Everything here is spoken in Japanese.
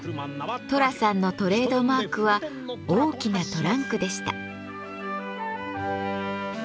寅さんのトレードマークは大きなトランクでした。